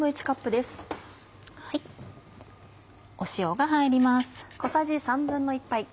塩が入ります。